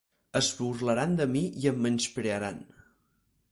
Es burlaran de mi i em menysprearan.